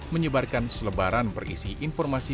menyebarkan selebaran berisi informasi